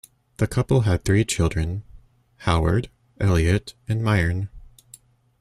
The couple had three children, Howard, Elliot, and Myrn.